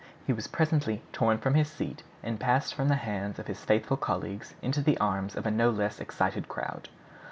He was presently torn from his seat and passed from the hands of his faithful colleagues into the arms of a no less excited crowd.